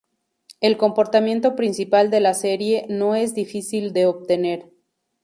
El comportamiento principal de la serie no es difícil de obtener.